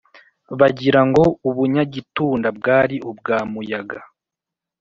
bagira ngo: u bunyagitunda bwari ubwa muyaga: